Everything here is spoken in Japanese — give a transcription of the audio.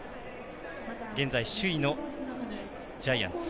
現在、首位のジャイアンツ。